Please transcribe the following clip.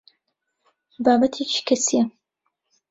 بابەتێکی کەسییە.